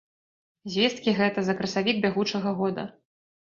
Звесткі гэта за красавік бягучага года.